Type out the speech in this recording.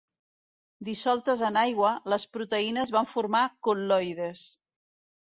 Dissoltes en aigua, les proteïnes van formar col·loides.